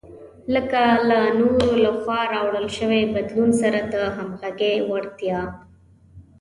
لکه له نورو لخوا راوړل شوي بدلون سره د همغږۍ وړتیا.